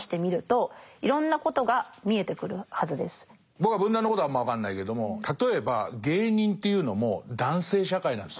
僕は文壇のことはあんま分かんないけども例えば芸人っていうのも男性社会なんですよ。